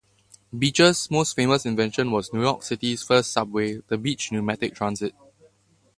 Beach's most famous invention was New York City's first subway, the Beach Pneumatic Transit.